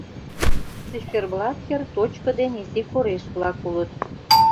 Циферблат йыр точко ден изи кореш-влак улыт.